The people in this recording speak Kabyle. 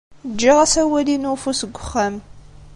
Ǧǧiɣ asawal-inu n ufus deg uxxam.